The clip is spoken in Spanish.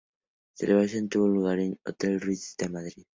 La celebración tuvo lugar en el Hotel Ritz de Madrid.